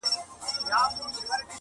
په یوه لیدو په زړه باندي خوږ من سو؛